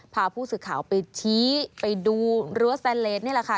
พาผู้สื่อข่าวไปชี้ไปดูรั้วแซนเลสนี่แหละค่ะ